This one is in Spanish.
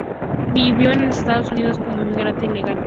Vivió en los Estados Unidos como inmigrante ilegal.